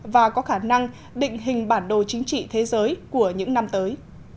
và có khả năng định hình bản đồ chính trị thế giới của những năm tới